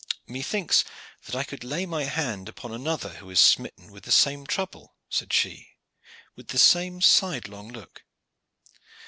"Methinks that I could lay my hand upon another who is smitten with the same trouble," said she, with the same sidelong look.